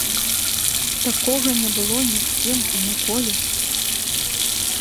Такога не было ні з кім і ніколі.